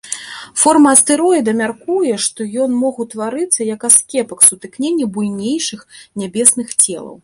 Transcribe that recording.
Форма астэроіда мяркуе, што ён мог утварыцца як аскепак сутыкнення буйнейшых нябесных целаў.